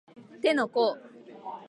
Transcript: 手の甲